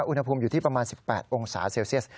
อุณหภูมิอยู่ที่ประมาณ๑๘องศาเซลเซียส